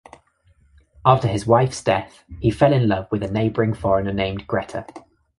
After his wife's death, he fell in love with a neighboring foreigner named Greta.